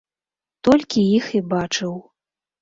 Толькі іх і бачыў.